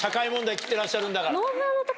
軌ってらっしゃるんだから。